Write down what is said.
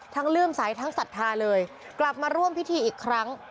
เลื่อมใสทั้งศรัทธาเลยกลับมาร่วมพิธีอีกครั้ง